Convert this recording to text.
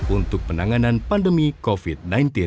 untuk penanganan pandemi covid sembilan belas